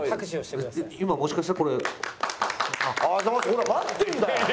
ほら待ってんだよ。